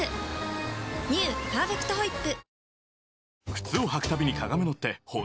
「パーフェクトホイップ」